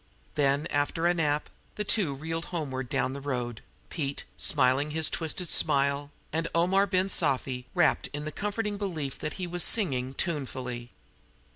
Then, after a nap, the two reeled homeward down the road, Pete smiling his twisted smile, and Omar Ben Sufi wrapped in the comforting belief that he was singing tunefully.